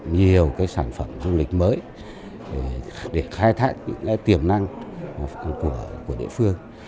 nhiều sản phẩm du lịch mới để khai thác những tiềm năng của địa phương